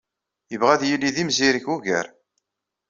Yebɣa ad yili d imzireg ugar.